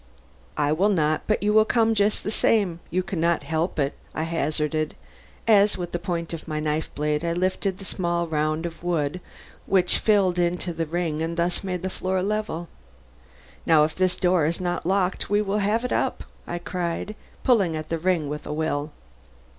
"I will not; but you will come just the same; you can not help it," I hazarded, as with the point of my knife blade I lifted the small round of wood which filled into the ring and thus made the floor level. "Now, if this door is not locked, we will have it up," I cried, pulling at the ring with a will.